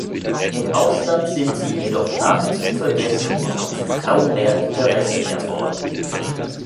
Im Ausland sind sie jedoch nahezu vergessen und rufen kaum mehr Interesse hervor.